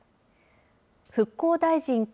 復興大臣兼